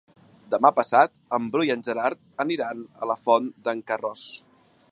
Demà passat en Bru i en Gerard aniran a la Font d'en Carròs.